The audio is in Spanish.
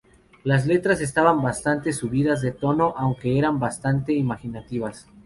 Las letras estaban bastante subidas de tono aunque eran bastante imaginativas.